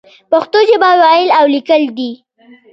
پښتو ژبه ويل او ليکل دې.